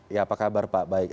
ya apa kabar pak baik